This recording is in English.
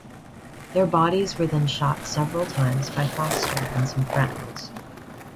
Their bodies were then shot several times by Foster and some friends.